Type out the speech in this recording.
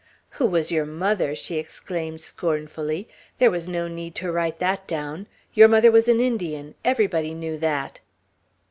"Who was your mother?" she exclaimed, scornfully, "There was no need to write that down. Your mother was an Indian. Everybody knew that!"